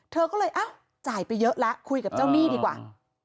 เธอก็เลยอ้าวจ่ายไปเยอะแล้วคุยกับเจ้าหนี้ดีกว่า